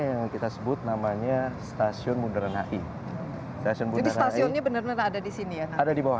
yang kita sebut namanya stasiun bundaran hi stasiunnya benar benar ada di sini ya ada di bawah